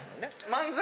漫才